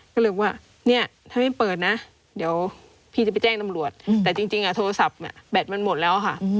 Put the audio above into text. ก็เลยบอกว่าเนี่ยถ้าไม่เปิดนะเดี๋ยวพี่จะไปแจ้งตำรวจแต่จริงโทรศัพท์แบตมันหมดแล้วค่ะ